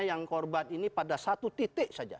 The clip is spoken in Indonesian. yang korban ini pada satu titik saja